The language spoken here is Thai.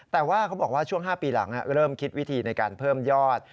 แต่ว่าเขาบอกว่าช่วง๕ปีหลังเริ่มคิดวิธีในการเพิ่มยอด